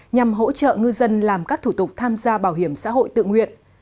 nhằm hỗ trợ ngư dân làm các thủ tục tham gia bảo hiểm xã hội tự nguyện